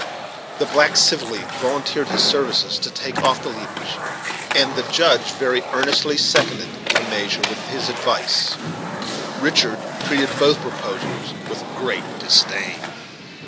The black civilly volunteered his services to take off the leaders, and the Judge very earnestly seconded the measure with his advice. Richard treated both proposals with great disdain.